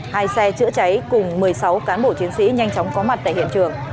hai xe chữa cháy cùng một mươi sáu cán bộ chiến sĩ nhanh chóng có mặt tại hiện trường